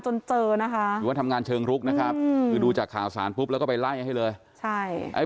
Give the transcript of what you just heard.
หรือว่าทำงานเชิงรุกนะครับคือดูจากข่าวสารปุ๊บแล้วก็ไปไล่ให้เลย